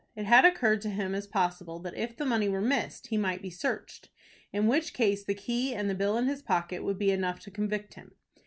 It had occurred to him as possible that if the money were missed, he might be searched, in which case the key and the bill in his pocket would be enough to convict him.